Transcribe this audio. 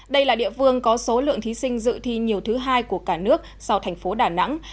đây là địa phương có số lượng thí sinh dự thi nhiều thứ hai của cả nước sau thành phố đà nẵng